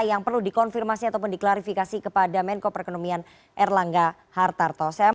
yang perlu dikonfirmasi ataupun diklarifikasi kepada menko perekonomian erlangga hartarto